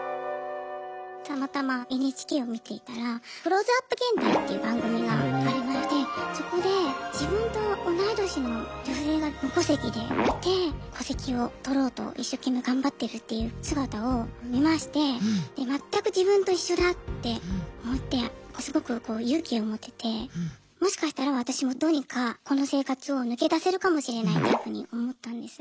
たまたまＮＨＫを見ていたら「クローズアップ現代」っていう番組がありましてそこで自分と同い年の女性が無戸籍でいて戸籍をとろうと一生懸命頑張ってるっていう姿を見まして全く自分と一緒だ！って思ってすごく勇気を持ててもしかしたら私もどうにかこの生活を抜け出せるかもしれないっていうふうに思ったんです。